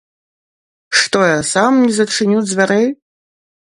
Што я, сам не зачыню дзвярэй?